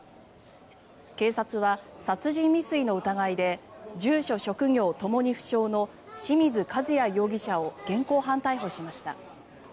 警察は殺人未遂の疑いで住所・職業共に不詳の清水和也容疑者を現行犯逮捕しました。